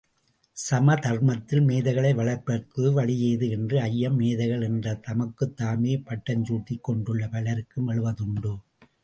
சமதர்மத்தில் மேதைகளை வளர்ப்பதற்கு வழியேது என்ற ஐயம், மேதைகள் என்று தமக்குத் தாமே பட்டம் சூட்டிக்கொண்டுள்ள பலருக்கும் எழுவதுண்டு.